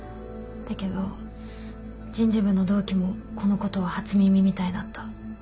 だけど人事部の同期もこのことは初耳みたいだった。